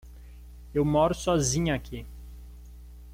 Eu moro sozinha aqui.